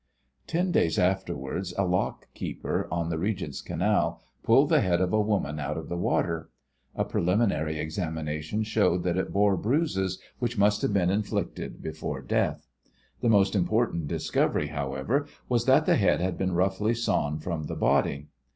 Ten days afterwards a lock keeper on the Regent's Canal pulled the head of a woman out of the water. A preliminary examination showed that it bore bruises which must have been inflicted before death. The most important discovery, however, was that the head had been roughly sawn from the body.